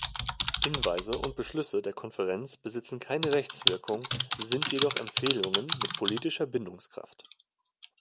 Hinweise und Beschlüsse der Konferenz besitzen keine Rechtswirkung, sind jedoch Empfehlungen mit politischer Bindungskraft.